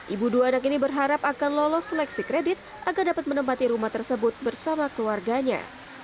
ibu dua anak ini berharap akan lolos seleksi kredit agar dapat menempati rumah tersebut bersama keluarganya